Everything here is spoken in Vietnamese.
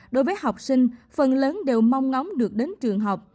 đối với học sinh phần lớn đều mong ngóng được đến trường học